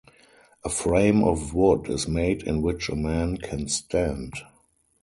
A frame of wood is made in which a man can stand.